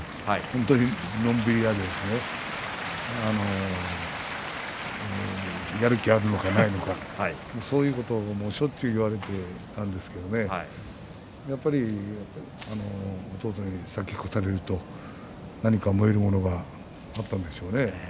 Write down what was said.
本当にのんびり屋でやる気あるのかないのかそういうことを、しょっちゅう言われていたんですけれどやっぱり弟に先を越されると何か燃えるものがあったんでしょうね。